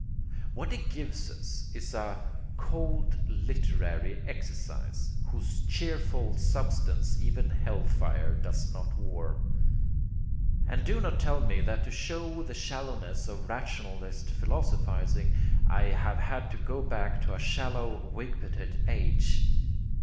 What he gives us is a cold literary exercise, whose cheerful substance even hell fire does not warm. And do not tell me that to show the shallowness of rationalist philosophizing I have had to go back to a shallow wigpated age.